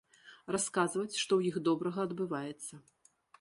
Расказваць, што ў іх добрага адбываецца.